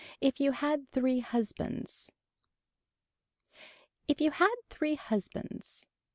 IF YOU HAD THREE HUSBANDS If you had three husbands.